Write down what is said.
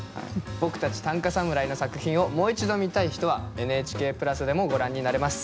僕たち短歌侍の作品をもう一度見たい人はＮＨＫプラスでもご覧になれます。